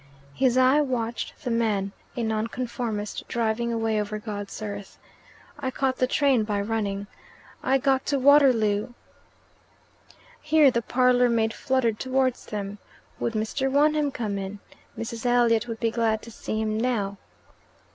His eye watched the man a Nonconformist, driving away over God's earth. "I caught the train by running. I got to Waterloo at " Here the parlour maid fluttered towards them, Would Mr. Wonham come in? Mrs. Elliot would be glad to see him now.